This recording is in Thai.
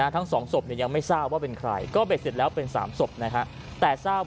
ทั้ง๒ศพยังไม่ทราบว่าเป็นใครก็เสร็จแล้วเป็น๓ศพนะครับ